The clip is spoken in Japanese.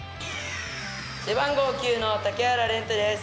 背番号９の竹原廉人です。